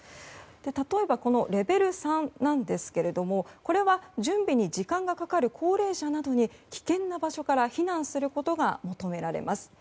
例えば、レベル３なんですがこれは準備に時間がかかる高齢者などに危険な場所から避難することが求められます。